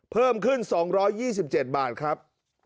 เพิ่มขึ้น๒๒๗บาทครับ